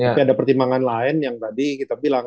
tapi ada pertimbangan lain yang tadi kita bilang